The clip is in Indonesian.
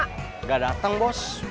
nggak datang bos